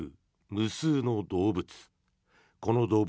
無数の動物。